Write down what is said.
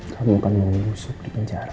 kamu akan membusuk di penjara